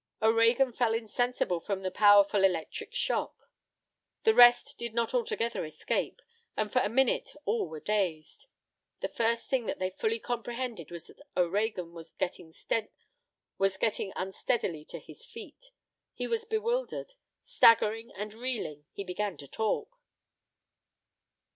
O'Reagan fell insensible from the powerful electrical shock. The rest did not altogether escape, and for a minute all were dazed. The first thing that they fully comprehended was that O'Reagan was getting unsteadily to his feet. He was bewildered. Staggering and reeling, he began to talk.